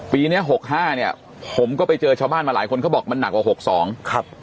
ปีนี้๖๕เนี่ยผมก็ไปเจอชาวบ้านมาหลายคนเขาบอกมันหนักกว่า๖๒ครับ